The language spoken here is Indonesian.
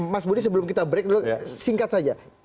mas budi sebelum kita break dulu singkat saja